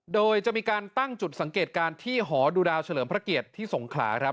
โดยจะมีการตั้งจุดสังเกตการณ์ที่หอดูดาวเฉลิมพระเกียรติที่สงขลาครับ